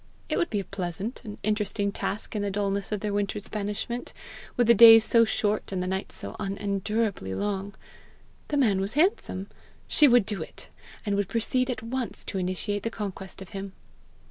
It would be a pleasant and interesting task in the dullness of their winter's banishment, with the days so short and the nights so unendurably long! The man was handsome! she would do it! and would proceed at once to initiate the conquest of him!